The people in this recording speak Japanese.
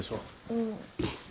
うん。